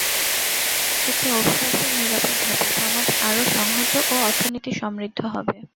এতে অভিবাসন নিরাপদ হবে, সমাজ আরও সংহত ও অর্থনীতি সমৃদ্ধ হবে।